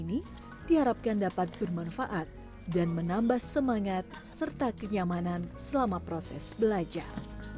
ini diharapkan dapat bermanfaat dan menambah semangat serta kenyamanan selama proses belajar